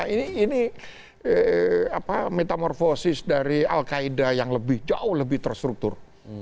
ini metamorfosis dari al qaeda yang lebih jauh lebih terstruktur